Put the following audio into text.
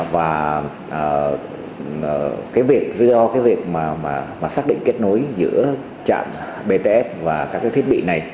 và do việc xác định kết nối giữa trạm bts và các thiết bị này